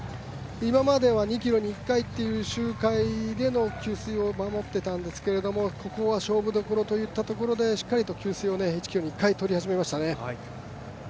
今までは２ｋｍに１回という周回での給水をしていたんですけどここは勝負どころでしっかりと給水を１ｋｍに１回取り始めましたね。